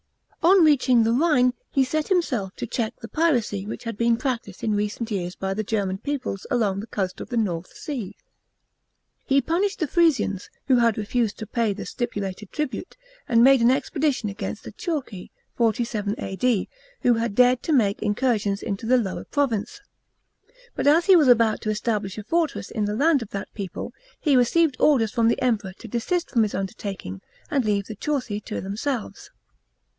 On reaching the Rhine he set himself to check the piracy which had been practised in recent years by the German peoples along the coast of the North Sea. He punished the Frisians, who had refused to pay the stipulated tribute, and made an expc dition against the Chauci (47 A.D.), who had dared to make incursions into the Lower province. But a* he was about to establish a fortress in the land of that peoi'le, he received orders from the Emperor to desist from his undertaking, and leave the Chauoi to themselves.